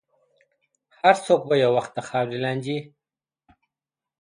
هر څوک به یو وخت د خاورې لاندې وي.